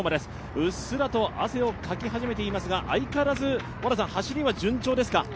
うっすらと汗をかき始めていますが相変わらず走りは順調ですか？